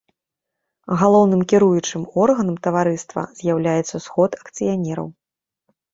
Галоўным кіруючым органам таварыства з'яўляецца сход акцыянераў.